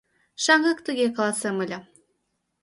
Шаҥгак тыге каласем ыле.